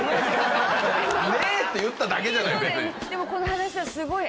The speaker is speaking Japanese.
「ねえ」って言っただけじゃない！